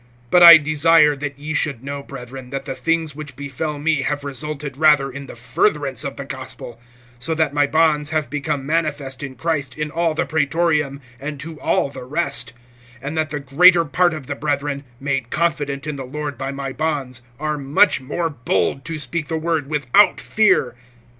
(12)But I desire that ye should know, brethren, that the things which befell me have resulted rather in the furtherance of the gospel; (13)so that my bonds have become manifest in Christ in all the Praetorium, and to all the rest; (14)and that the greater part of the brethren, made confident in the Lord by my bonds, are much more bold to speak the word without fear.